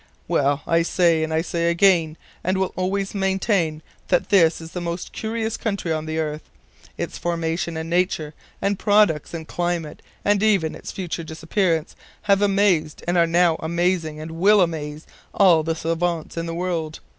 Well, I say and say again, and will always maintain that this is the most curious country on the earth. Its formation, and nature, and products, and climate, and even its future disappearance have amazed, and are now amazing, and will amaze, all the SAVANTS in the world.